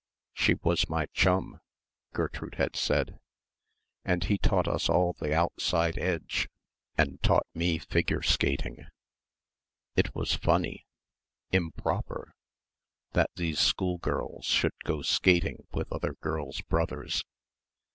"She was my chum," Gertrude had said, "and he taught us all the outside edge and taught me figure skating." It was funny improper that these schoolgirls should go skating with other girls' brothers.